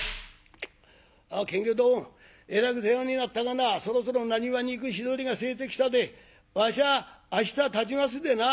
「あっ検校どんえらく世話になったがなそろそろ浪速に行く日取りがせえてきたでわしは明日たちますでな。